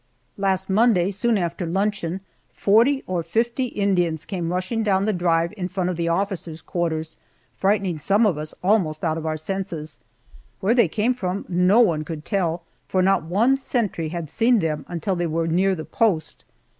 Last Monday, soon after luncheon, forty or fifty Indians came rushing down the drive in front of the officers' quarters, frightening some of us almost out of our senses. Where they came from no one could tell, for not one sentry had seen them until they were near the post.